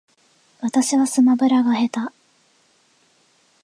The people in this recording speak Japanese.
私はスマブラが下手